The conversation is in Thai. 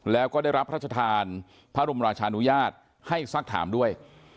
แล้วก็ได้รับพระราชทานพระบรมราชานุญาตให้สักถามด้วย